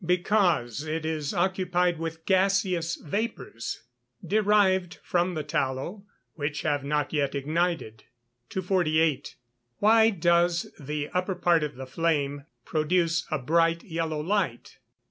_ Because it is occupied with gaseous vapours, derived from the tallow, which have not yet ignited. 248. Why does the upper part of the flame (B) _produce a bright yellow light?